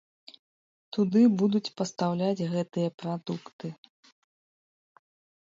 Туды будуць пастаўляць гэтыя прадукты.